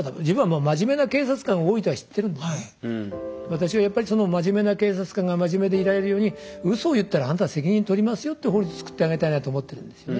私はやっぱりその真面目な警察官が真面目でいられるようにウソを言ったらあんたが責任取りますよっていう法律作ってあげたいなと思ってるんですよね。